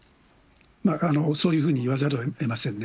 そういうふうに言わざるをえませんね。